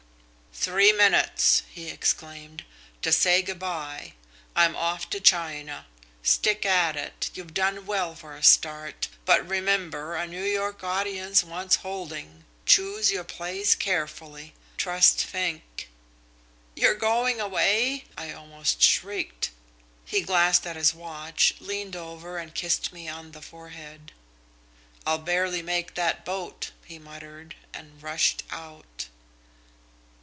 "'Three minutes,' he exclaimed, 'to say good by. I'm off to China. Stick at it. You've done well for a start, but remember a New York audience wants holding. Choose your plays carefully. Trust Fink.' "'You're going away?' I almost shrieked. "He glanced at his watch, leaned over, and kissed me on the forehead. "'I'll barely make that boat,' he muttered, and rushed out."...